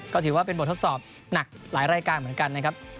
ก็ถือว่าเป็นบททดสอบหนักหลายรายการเหมือนกันนะครับ